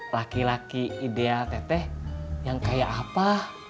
laki laki ideal teteh yang kayak apa